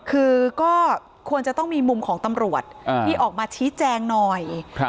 คือก็ควรจะต้องมีมุมของตำรวจที่ออกมาชี้แจงหน่อย